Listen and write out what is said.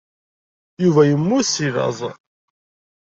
Yuba yemmut seg laẓ.